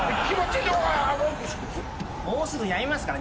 もうすぐやみますから。